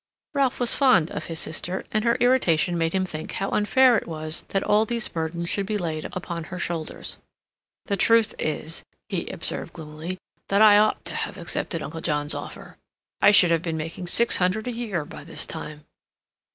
Ralph was fond of his sister, and her irritation made him think how unfair it was that all these burdens should be laid on her shoulders. "The truth is," he observed gloomily, "that I ought to have accepted Uncle John's offer. I should have been making six hundred a year by this time."